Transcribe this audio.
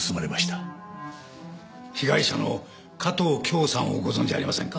被害者の加藤恭さんをご存じありませんか？